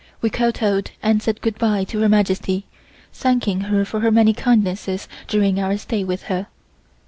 We kowtowed and said good bye to Her Majesty, thanking her for her many kindnesses during our stay with her.